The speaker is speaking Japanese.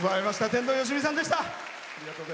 天童よしみさんでした。